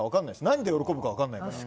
何で喜ぶかが分からないから。